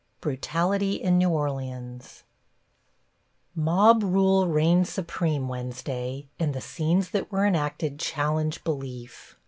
+BRUTALITY IN NEW ORLEANS+ Mob rule reigned supreme Wednesday, and the scenes that were enacted challenge belief.